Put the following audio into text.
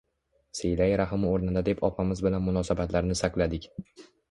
Siylaiy rahm oʻrnida deb opamiz bilan munosabatlarni saqladik.